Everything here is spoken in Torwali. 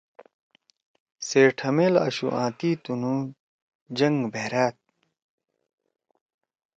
سے ٹھمیل آشُو آں تی تُنُو جَنگ بَھرأد۔